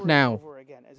chúng ta không biết